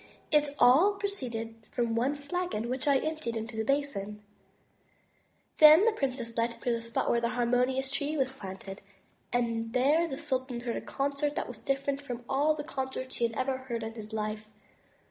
It all proceeded from one flagon, which I emptied into the basin.*' Then the princess led him to the spot where the harmonious Tree was planted; and there the sultan heard a concert that was different from all the concerts he had ever heard in his life.